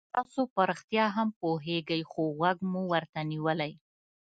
تاسو په رښتیا هم پوهېږئ خو غوږ مو ورته نیولی.